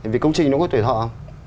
vì công trình nó có tuổi thọ không